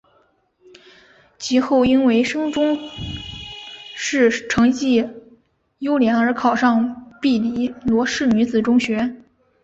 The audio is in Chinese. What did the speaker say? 及后因为升中试成绩优良而考上庇理罗士女子中学。